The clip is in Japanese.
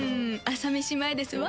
朝飯前ですわ。